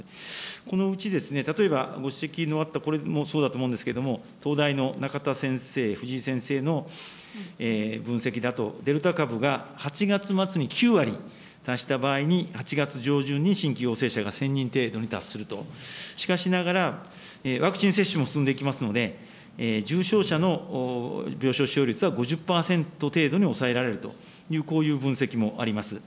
そのうち、例えばご指摘のあったこれもそうだと思うんですけど、東大の仲田先生、藤井先生の分析だと、デルタ株が８月末に９割に達した場合に、８月上旬に新規陽性者が１０００人程度に達すると、しかしながら、ワクチン接種も進んでいきますので、重症者の病床使用率は５０％程度に抑えられるという、こういう分析もあります。